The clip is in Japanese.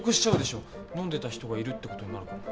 飲んでた人がいるって事になるから。